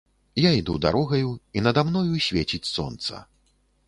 Я іду дарогаю, і нада мной свеціць сонца.